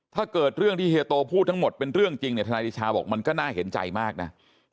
ถ้าเกิดเรื่องที่เฮียโตพูดทั้งหมดเป็นเรื่องจริงเนี่ยทนายเดชาบอกมันก็น่าเห็นใจมากนะ